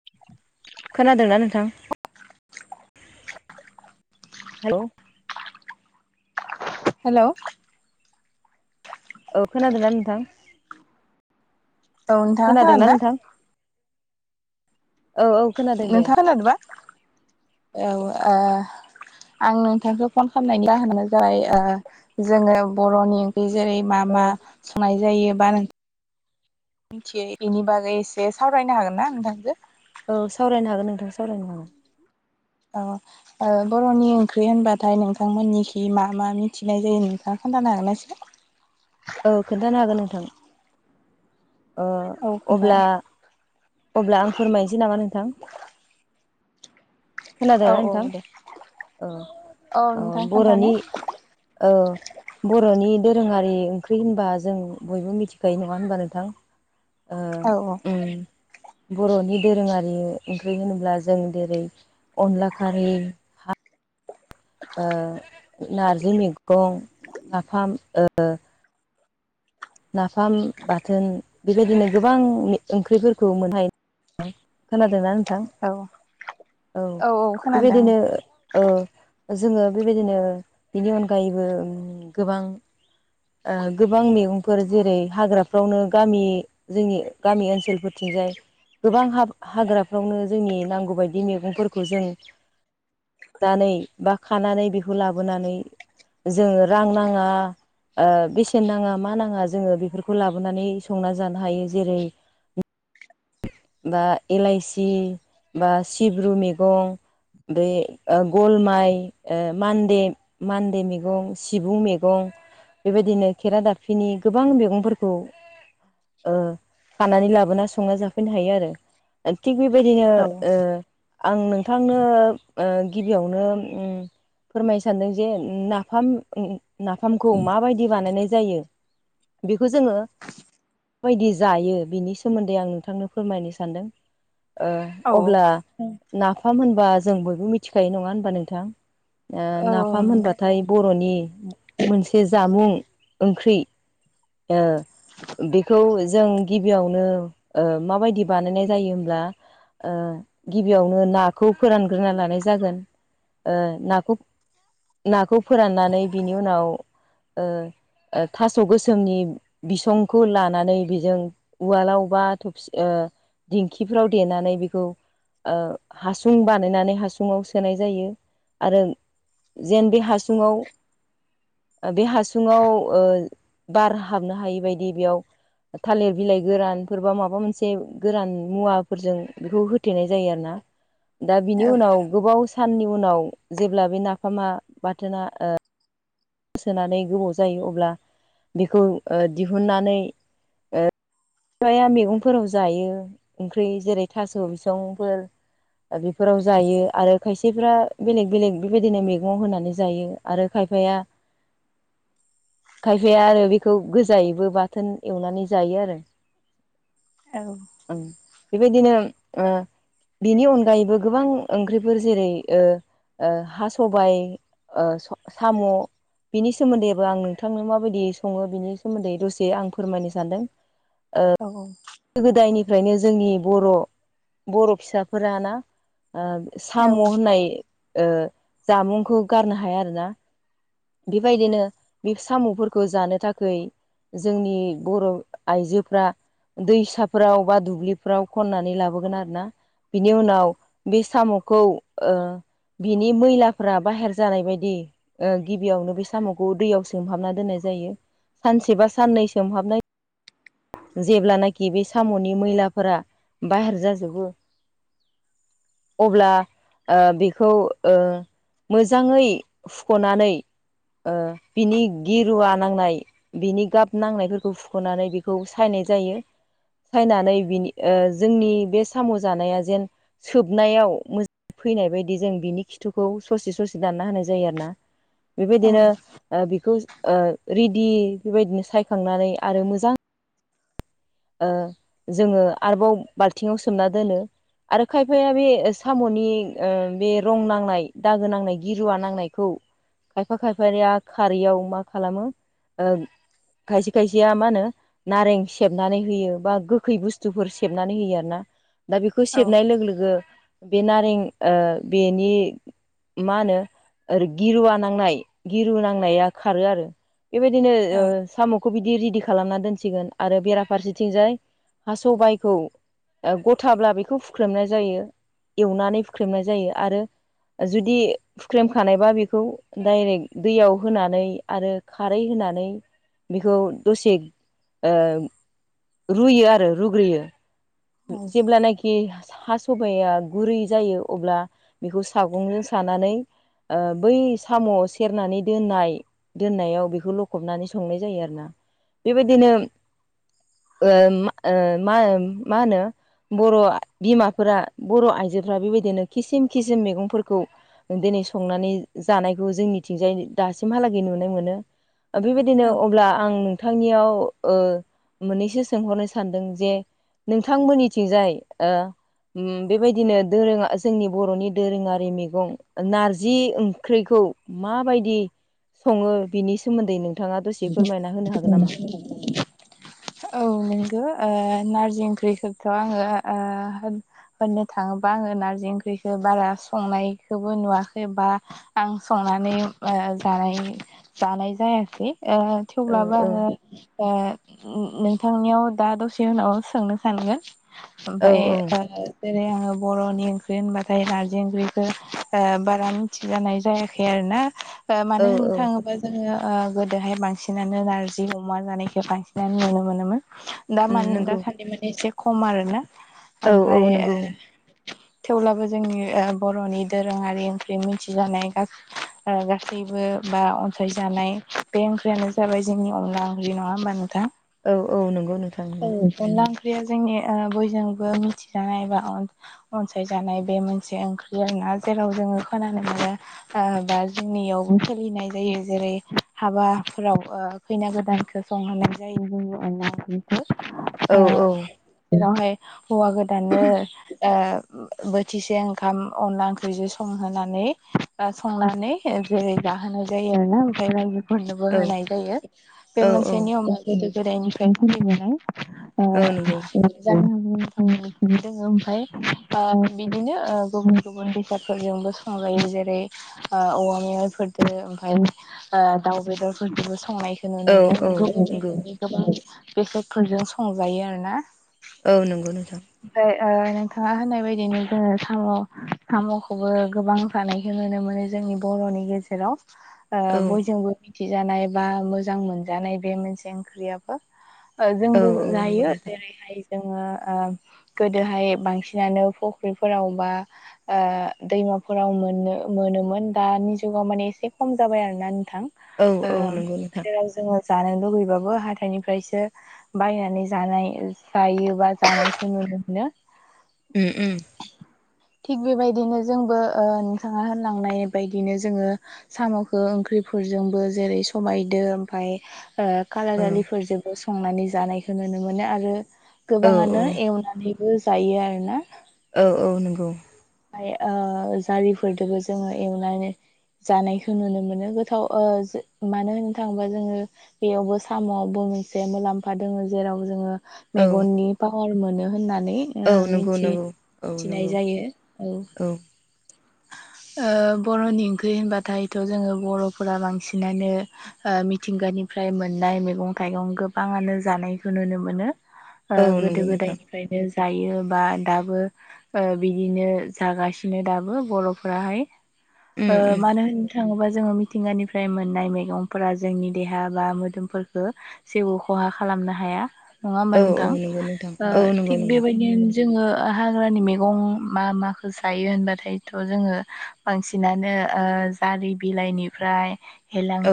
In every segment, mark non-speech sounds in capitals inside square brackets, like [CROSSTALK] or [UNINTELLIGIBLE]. [INAUDIBLE] खोनादोंना नोंथां? Hello. Hello. औ खोनादोंना नोंथां? औ नोंथाङा खोनादोंना नोंथां? औ औ। खोनादों दे नोंथाङा खोनादोबा? औ ओ आं नोंथांखौ फन खालामनायनि जाहोनानो जाबाय ओ जोङो बर'नि [UNINTELLIGIBLE] जेरै मा औ मा संनाय जायो बा मिथियो बेनि बागै एसे सावरायनो हागोन ना नोंथांजो? औ सावरायनो हागोन नोंथां सावरायनो हागोन। औ। ओ बर'नि ओंख्रि होनबाथाय नोंथांमोननिखि मा मा मिथिनाय जायो नोंथाङा खोन्थानो हागोन ना एसे? औ खोन्थानो हागोन नोंथां। औ ओ खोन्था अब्ला अब्ला आं फोरमायनोसै नामा नोंथां? औ खोनादोंना औ नोंथां? दे औ औ नोंथां बर'नि खोन्थानाय औ बर'नि दोरोङारि ओंख्रि होनबा जों बयबो मिथिखायो नङा होनबा नोंथां? ओ औ उम बर'नि दोरोङारि ओंख्रि होनोब्ला जों जेरै अनला खारै ओ नारजि मैगं नाफाम ओ नाफाम बाथोन बेबायदिनो गोबां ओंख्रिफोरखौ मोननो हायो। खोनादोंना नों थां? औ औ बेबायदिनो ओ जोङो बेबायदिनो बिनि अनगायैबो गोबां ओ गोबां मैगं फोर जेरै हाग्राफ्रावनो गामि जोंनि गामि ओनसोलफोरथिंजाय गोबां हाब हाग्राफ्रावनो जोंनि नांगौबायायदि मैगंफोरखौ जों नानै बा खानानै बेखौ लाबोनानै जोङो रां नाङा ओ बेसेन नाङा मा नां या जोङो बेफोरखौ लाबोनानै संना जानो हायो। जेरै बा इलाइसि बा सिब्रु मैगं बे ओ गलमाइ ओ मानदे मानदे मैगं सिबुं मैगं बेबायदिनो खेरा दााबफिनि गोबां मैगंफोरखौ ओ खानानै लाबोना संना जाफैनो हायो आरो ओ थिग बेबायदिनो औ ओ आं नोंथांनो ओ गिबियावनो ओम फोरमायनो सान्दों जे उम नाफाम उम नाफामखौ माबायदि बानायनाय जायो? बेखौ जोङो माबायदि जायो बिनि सोमोन्दै आं नोंथांनो फोरमायनो सानदों। ओ औ अब्ला नाफाम होनबा जों बयबो मिथिखायो नङा होनबा नोंथां? ओ औ नाफाम नंगौ होनबाथाय बर'नि मोनसे जामुं ओंख्रि ओ बेखौ जों गिबियावनो ओ माबायदि बानायनाय जायो होमब्ला ओ गिबियावनो नाखौ फोरानग्रोना लानाय जागोन। ओ नाखौ नाखौ फोराननानै बिनि उनाव ओ ओ थास' गोसोमनि बिसंखौ लानानै बेजों उवालाव बा ओ दिंखिफ्राव देनानै बेखौ ओ हासुं बानायनानै हासुुङाव सोनाय जायो आरो जेन बे हासुङाव बे हासुङाव ओ बार हाबनो हायि बदि बेयाव थालिर बिलाइ गोरानफोरबा माबा मोन से गोरान मुवाफोरजों बेखौ होथेनाय जायो आरोना। दा बिनि उनाव गोबाव साननि उनाव जेब्ला बे नाफामा बाथोना ओ सोनानै गोबाव जायो अब्ला बेखौ दिहुननानै बिफाया मैगंफोराव जायो ओंख्रि जेरै थास' बिसंफोर ओ बेफोराव जायो आरो खायसेफ्रा बेलेग बेलेग बेबायदिनो मैगङाव होनानै जायो। आरो खायफाया [INAUDIBLE] खायफाया आरो बेखौ गोजायैबो बाथोन एवनानै जायो आरो। औ ओं बेबायदिनो ओ बेनि अनगायैबो गोबां ओंख्रिफोर जेरै हा सबाय साम' बिनि सोमोन्दैबो आं नोंथांनो माबायदि सङो बिनि सोमोन्दै दसे आं फोरमायनो सानदों। ओ औ। गोदो गोदायनिफ्रायनो जोंनि बर' बर' फिसाफोराना साम' होननाय जामुंखौ गारनो हाया आरोना। बेबायदिनो बे साम'फोरखौ जानो थाखै जोंनि बर' आइजोफ्रा दैसाफोराव बा दुब्लिफोराव खननानै लाबोगोन आरो ना। बिनि उनाव बे साम'खौ ओ बिनि मैलाफ्रा बाहेर जानाय बायदि ओ गिबियावनो बे साम'खौ दैयाव सोमहाबना दोननाय जायो सानसे बा साननै सोमहाबनाय जेब्लानाखि बे साम'नि मैलाफोरा बाहेर जाजोबो। अब्ला बेखौ ओ मोजाङै खुख'नानै बिनि गिरुवा नांनाय बिनि गाब नांनायफोरखौ फुख'नानै बे खौ सायनाय जायो सायनानै बिनि जोंनि बे साम' जानाया जेन सोबनायाव मो फैनाय बादि जों बिनि खिथुखौ ससे ससे दानना होनाय जायो आरो ना। औ बेबायदिनो बिखौ ओ रिदि बेबायदि सायखांनानै आरो मोजां जोङो आरोबाव बालथिङाव सोमना दोनो। आरो खायफाया बे साम'नि बे रं नांनाय दागो नांनाय गिरुवा नांनायखौ खायफा खायफानिया खारैयाव मा खालामो ओ खायसे खायसेया मा होनो नारें सेब नानै होयो बा गोखै बुस्थुफोर सेबनानै होयो आरो ना दा बेखौ औ सेबनाय लोगो लोगो बे नारें बेनि मा होनो ओरै गिरुवा नांनाय गिरु नांनाया खारो आरो। बेबायदिनो औ साम'खौ बिदि रेडि खालामना दोनसिगोन आरो बेरा फारसेथिंजाय हास' बाइखौ गथाब्ला बेखौ फुख्रेमनाय जायो एवनानै फुख्रेमनाय जायो आरो जुदि हुख्रेमखानायबा बेखौ डाइरेक्ट दैयाव होनानै आरो खारै होनानै बेखौ दसे ओ रुयो आरो रुग्रोयो औ जेब्लानाखि खि हा सबाइाया गुरै जायो अब्ला बेखौ सागंजों सानानै ओ बै साम' सेरनानै दोननाय दोननायाव बेखौ लखबनानै संनाय जायो आरोना बेबायदिनो ओ मा-ओ मा-मा होनो बर' बिमाफोरा बर' आइजोफ्रा बेबायदिनो खिसिम खिसिम मैगंफोरखौ दिनै संनानै जानायखौ जोंनिथिंजाय दासिमहालागै नुनाय मोनो। बेबायदिनो अब्ला आं नोंथांनियाव ओ मोननैसो सोंहरनो सानदों जे नोंथांमोननिथिंजाय ओ उम बेबायदिनो दोरोङा जोंनि बर'नि दोरोङारि मैगं नारजि ओंख्रैखौ माबायदि सङो बिनि सोमोन्दै नोंथाङा दसे फोरमायना होनो हागोन नामा? औ नोंगौ ओ नारजि ओंख्रिखौथ' आङो ओ होननो थाङोबा आङो नार्जि ओंख्रिखौ बारा संनायखौबो नुवाखै बा आं संनानै ओ जानाय जानाय जायाखै। ओ औ थेवब्लाबो औ आङो ओ नोंथांनियाव दा दसे उनाव सोंनो सानगोन औ ओमफाय औ ओ जेरै आङो बर'नि ओंख्रि होनबाथाय नारजि ओंख्रिखौ ओ बारा मिथिजानाय जायाखै फाय आरो ना ओ औ मानो होननो थाङोबा जोङो ओ बो गोदोहाय बांसिनानो नारजि अमा जानायखौ बांसिनानो नुनो मोनोमोन। दा उम मानि नंगौ दासान्दि माने एसे खम आरो ना औ औ ओमफाय ओ नंगौ थेवब्लाबो जोंनि ओ बर'नि दोरोङारि ओंख्रि मिथिजानाय गासैबो ओ गासैबो बा अनसायजानाय बे ओंख्रियानो जाबाय जोंनि अनला ओंख्रि नङा होमबा नोंथां? औ औ नंगौ नोंथां औ नंगौ। अनला ओंख्रिया जोंनि ओ बयजोंबो मिथिजानाय एबा अन अनसायजानाय बे मोनसे ओंख्रि आरो ना जेराव जोङो खोनानो मोन ओ बा जोंनियावबो सोलिनाय जायो जेरै हाबाफोराव ओ खैना गोदानखो संहोनाय जायो जोंनि अनला ओंख्रि औ ओ औ बेआवहाय हौवा गोदानो ओ बोथिसे ओंखाम अनला ओंख्रिजों संहोनानै ओ संनानै जेरै जाहोनाय जायो आरोना ओमफ्राय रायजो फोरनोबो औ होनाय जायो बे औ औ मोनसे नियमा गोदो गोदायनिफ्राय खुलिबोनाय। औ नंगौ ज दङ ओमफ्राय ओ बिदिनो ओ गुबुन -गुबुन बेसादफोरजोंबो संजायो जेरै, ओ औवा मेवाइफोरदो ओमफ्राय ओ दाउ बेदरफोरखौबो संनायखौ नुनो औ मोनो। औ नंगौ गुबुन गोबां बेसादफोरजों संजायो आरो ना। औ नंगौ नोंथां। ओमफ्राय ओ नोंथाङा होननाय बायदिनो जोङो साम' साम'खौबो गोबां जानायखौ नुनो मोनो जोंनि बर'नि गेजेराव। ओ औ बयजोंबो मिथिजानाय बा मोजां मोनजानाय बे मोनसे ओंख्रियाबो ओ औ जोंबो औ नंगौ जायो नोंथां जेरैहाय जोङो ओ गोदोहाय बांसिनानो फुख्रिफोराव बा ओ दैमाफोराव मोनो मोनोमोन दानि जुगाव माने एसे खम जाबाय आरो ना नोंथां। औ ओ औ नंगौ नोंथां जेराव जोङो जानो लुगैबाबो हाथाइनिफ्रायसो बायनानै जानाय जायो बा जानायखौ नुनो मोनो। उम उम थिग बेबायदिनो जोंबो ओ नोंथाङा होनलांनाय बायदिनो जोङो साम'खौ ओंख्रिफोरजोंबो जेरै सबायजों ओमफ्राय खाला उम दालिफोरजों संनानै जानायखौ नुनो मोनो आरो औ औ गोबाङानो एवनानैबो जायो आरोना औ औ नंगौ ओमफ्राय ओ जारिफोरजोंबो जोङो एवनानै जानायखौ नुनो मोनो गोथाव ओ जो मानो होननो थाङोबा जोङो बेयावबो सामावबो मोनसे मुलाम्फा दंङो जेराव जोङो औ मेगननि पावार मोनो होननानै औ ओ नंगौ मिथि नंगौ औ नंगौ मिथिनाय जायो। औ बर'नि ओंख्रि होनबाथायथ' जोङो बर'फोरा बांसिनानो मिथिंगानिफ्राय मोननाय मैगं-थाइगं गोबाङानो जानायखौ नुनो मोनो। ओ औ गोदो नंगौ नोंथां गोदायनिफ्रायनो जायो बा दाबो ओ बिदिनो जागासिनो दाबो बर'फोराहाय ओ उम उम मानो होन थांङोबा जोङो मिथिंगानिफ्राय मोननाय मैगंफोरा जोंनि देहा बा मोदोमफोरखौ जेबो खहा खालामनो हाया नङा होमबा औ औ नोंथां? नंगौ नोंथां ओ औ नंगौ थिग नंगौ बेबायदिनो जोङो हाग्रानि मैगं मा मा जायो होनबाथायथ' जोङो ओ बांसिनानो जारि बिलाइनिफ्राय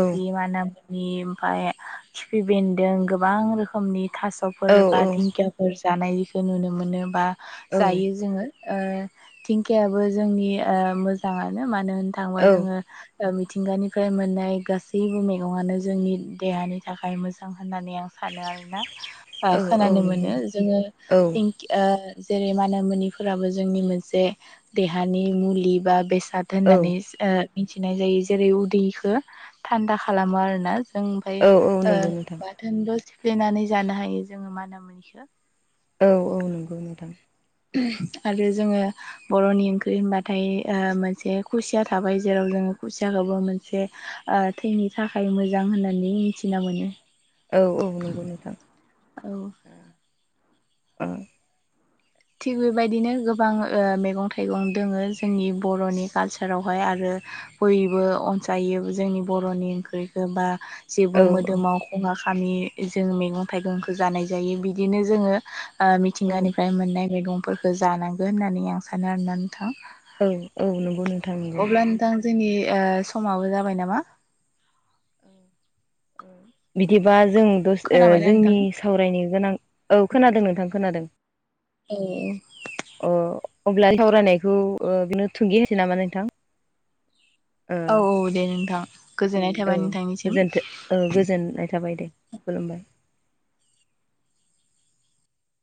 औ मानामनि ओमफय खिफि बेन्दों गोबां रोखोमनि थास'फोर औ बा दिंखियाफोर जानायखौ नुनो मोनो बा औ जायो जोङो। ओ दिंखिायाब जोंनि ओ मोजांङानो मानो होननो थाङोबा जोङो मिथिंगानिफ्राय मोननाय गासैबो मैगंयानो जोंनि देहानि थाखाय मोजां होननानै आं सानो आरोना। औ औ खोनानो नंगौ मोनो नोंथां जोङो औ जेरै मान मोनिफोराबो जोंनि मोनसे जे देहानि मुलि बा बेसाद औ होननानै ओ मिथिनाय जायो जेरै उदैखौ थान्दा खालामो आरो ना। जों ओमफ्राय औ औ नंगौ नोंथां बाथोनबो' सिफ्लेनानै जानो हायो जोङो मानामुनिखौ। औ औ नंगौ मेदाम। आरो जोङो बर'नि ओंख्रि होनबाथाय ओ मोनसे खुसिया थाबाय जेराव जोङो खुसियाखौबो मोनसे थैनि थाखाय मोजां होननानै मिथिना मोनो। औ औ नंगौ नोंथां। औ थिग बेबायदिनो गोबां ओ मैगं थाइगं दङो जोंनि बर'नि कल्चरावहाय आरो बयबो अनसायो जोंनि बर'नि ओंख्रिखौ बा जेबो औ मोदोमाव खहा खालामि जों मैगं थाइगंखौ जानाय जायो, बिदिनो जोङो औ मिथिंगानिफ्राय मोननाय मैगंफोरखौ जानांगोन होननानै आं सानो आरोना नोंथां। औ औ नंगौनो अब्ला नोंथां जोंनि समाबो जाबाय नामा? बिदिबा जों दसे ओ खोनाबायना जोंनि नोंथां सावरायनो गोनां औ खोनादों नोंथां खोनादों। [INAUDIBLE] अ अब्ला सावरायनायखौ बिनो थुंगि होनोसै नामा नोंथां? ओ औ औ दे नोंथां गोजोननाय औ थाबाय नोंथांनिसिम। गोजोनथों औ गोजोननाय थाबाय दे खुलुमबाय।